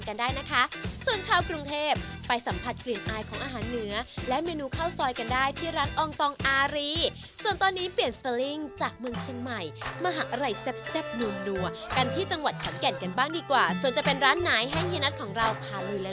เอาล่ะวันนี้ขอบคุณมากนะครับขอบคุณครับขอบคุณครับขอบคุณครับ